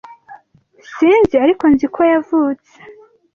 sinzi ariko nzi ko yavutse